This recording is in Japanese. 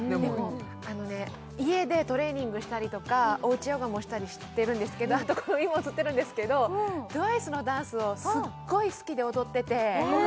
あのね家でトレーニングしたりとかおうちヨガもしたりしてるんですけどあと今映ってるんですけどＴＷＩＣＥのダンスをすっごい好きで踊っててへえ！